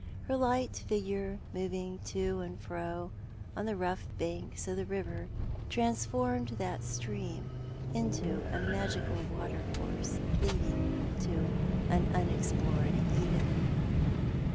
Her light figure moving to and fro ou the rough banks of the river transformed that stream into a magical watercourse lead ing to an unexplored Eden.